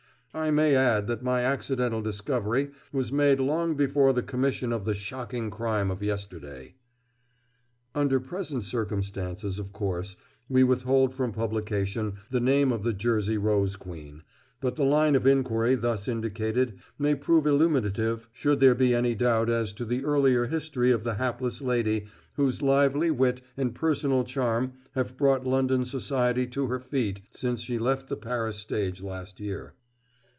I may add that my accidental discovery was made long before the commission of the shocking crime of yesterday." Under present circumstances, of course, we withhold from publication the name of the Jersey Rose Queen, but the line of inquiry thus indicated may prove illuminative should there be any doubt as to the earlier history of the hapless lady whose lively wit and personal charm have brought London society to her feet since she left the Paris stage last year.